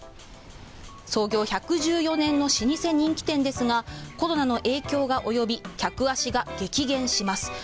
創業１１４年の老舗人気店ですがコロナの影響が及び客足が激減します。